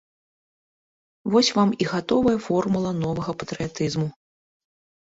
Вось вам і гатовая формула новага патрыятызму.